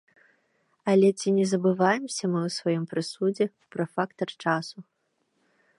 Але ці не забываемся мы ў сваім прысудзе пра фактар часу?